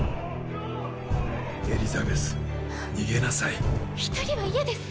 エリザベス逃げなさい一人は嫌です！